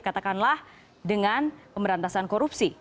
katakanlah dengan pemberantasan korupsi